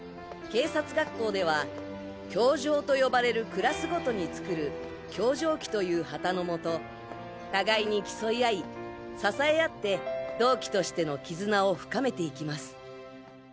警察学校では教場と呼ばれるクラスごとに作る教場旗という旗のもと互いに競い合い支え合って同期としての絆を深めていきます